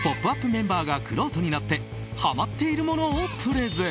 メンバーがくろうとになってハマっているものをプレゼン！